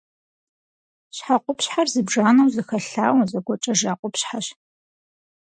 Щхьэ къупщхьэр зыбжанэу зэхэлъауэ, зэгуэкӏэжа къупщхьэщ.